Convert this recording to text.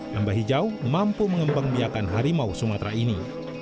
lembah hijau mampu mengembang biakan harimau sumatera ini